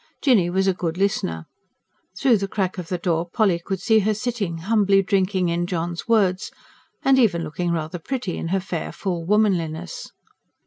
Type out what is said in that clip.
Jinny was a good listener. Through the crack of the door, Polly could see her sitting humbly drinking in John's words, and even looking rather pretty, in her fair, full womanliness.